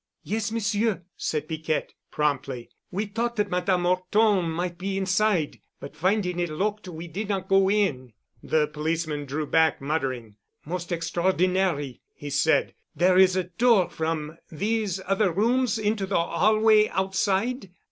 "Yes, Monsieur," said Piquette promptly. "We thought that Madame Horton might be inside. But finding it locked we did not go in." The policeman drew back muttering. "Most extraordinary!" he said. "There is a door from these other rooms into the hallway outside?"